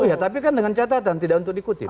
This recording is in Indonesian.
iya tapi kan dengan catatan tidak untuk dikutip